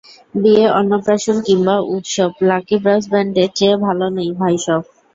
বিয়ে, অন্নপ্রাশন কিংবা উৎসব, লাকি ব্রাস ব্যান্ডের চেয়ে ভালো নেই, ভাইসব।